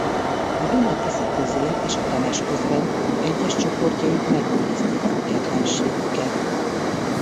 A Duna–Tisza közén és a Temesközben egyes csoportjaik megőrizték függetlenségüket.